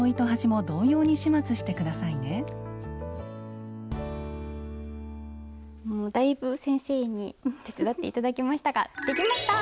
もうだいぶ先生に手伝って頂きましたができました！